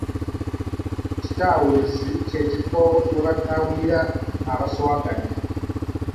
Kitawuluzi kyekifo we batawululira abasoowaganye.